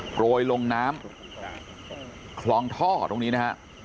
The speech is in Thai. โรยลงน้ำคลองท่อตรงนี้นะฮะ